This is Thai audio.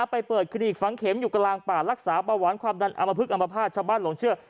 ไปเปิดคลินิกฝังเข็มอยู่กลางป่ารักษาเบาหวานความดันอมพึกอัมพาตชาวบ้านหลงเชื่อ